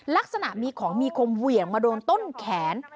ลักษณะมีของมีคมเหวี่ยงมาโดนต้นแขน